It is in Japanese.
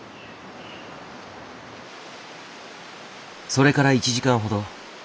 それから１時間ほど。